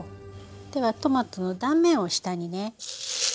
ではトマトの断面を下にねして。